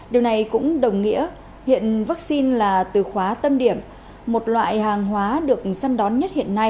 điều này cũng đồng nghĩa hiện vaccine là từ khóa tâm điểm một loại hàng hóa được săn đón nhất hiện nay